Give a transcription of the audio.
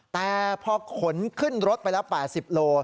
แต่พอขนขึ้นรถไปแล้ว๘๐โล